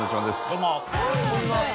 どうも。